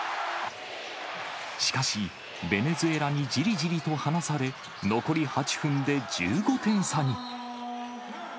しかし、ベネズエラにじりじりと離され、残り８分で１５点差に。